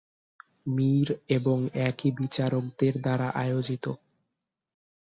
মীর এবং একই বিচারকদের দ্বারা আয়োজিত।